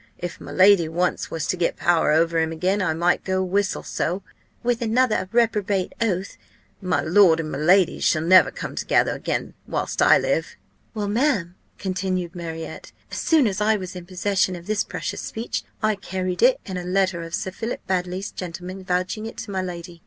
If my lady once was to get power over him again, I might go whistle so (with another reprobate oath) my lord and my lady shall never come together again whilst I live.' "Well, ma'am," continued Marriott, "as soon as I was in possession of this precious speech, I carried it and a letter of Sir Philip Baddely's gentleman vouching it to my lady.